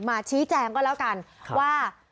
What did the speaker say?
มาชี้แจงก็แล้วกันว่า